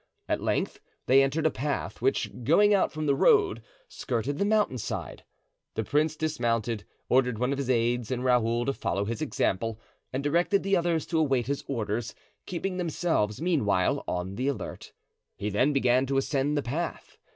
At length they entered a path which, going out from the road, skirted the mountainside. The prince dismounted, ordered one of his aids and Raoul to follow his example, and directed the others to await his orders, keeping themselves meanwhile on the alert. He then began to ascend the path.